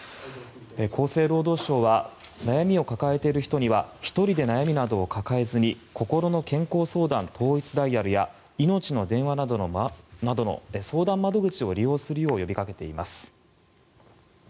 厚生労働省は悩みを抱えている人には１人で悩みなどを抱えずにこころの健康相談統一ダイヤルやいのちの電話などの相談窓口を利用するよう呼びかけています。